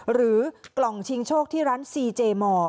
หรือกล่องชิงโชคที่ร้านซีเจมอร์